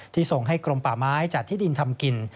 ส่งให้กรมป่าไม้จัดที่ดินทำกิน